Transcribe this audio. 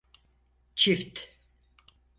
Çift…